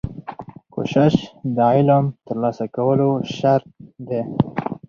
کوښښ د علم ترلاسه کولو شرط دی.